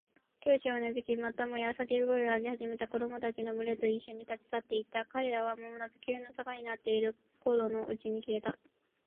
教師はうなずき、またもや叫び声を上げ始めた子供たちのむれといっしょに、立ち去っていった。彼らはまもなく急な坂になっている小路のうちに消えた。